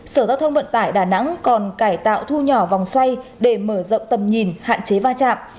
sở giao thông vận tải đà nẵng còn cải tạo thu nhỏ vòng xoay để mở rộng tầm nhìn hạn chế va chạm